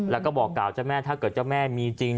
แล้วก็บอกกล่าวเจ้าแม่ถ้าเกิดเจ้าแม่มีจริง